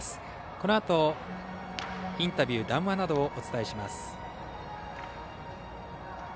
このあとインタビュー談話などをお伝えします。